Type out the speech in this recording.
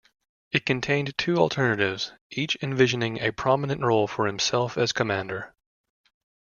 It contained two alternatives, each envisioning a prominent role for himself as commander.